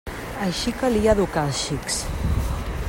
Així calia educar els xics.